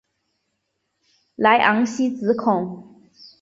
莱昂西兹孔。